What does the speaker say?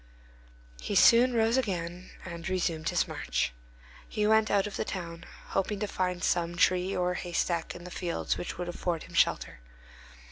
He soon rose again and resumed his march. He went out of the town, hoping to find some tree or haystack in the fields which would afford him shelter.